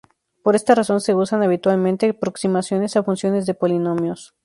Por esta razón se usan habitualmente aproximaciones a funciones de polinomios.